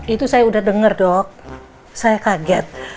itu saya udah dengar dok saya kaget